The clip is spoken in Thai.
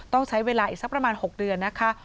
ต้องใช้เวลาอีกสักประมาณ๖เดือนนะคะ